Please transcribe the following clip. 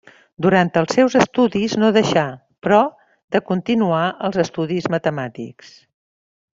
Durant els seus estudis no deixa, però, de continuar els estudis matemàtics.